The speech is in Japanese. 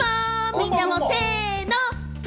みんなも、せの。